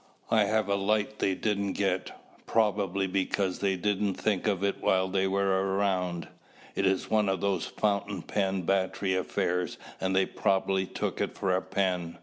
"I have a light they didn't get, probably because I didn't think of it while they were around. It is one of those fountain pen battery affairs and they probably took it for a pen.